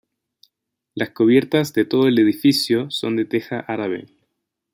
Las cubiertas de todo el edificio son de teja árabe.